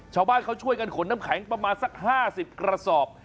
ชาวบ้านเขาช่วยกันขนน้ำแข็งประมาณสัก๕๐กระสอบ